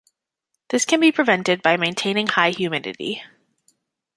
This can be prevented by maintaining high humidity.